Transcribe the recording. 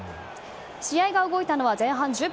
試合が動いたのは前半１０分。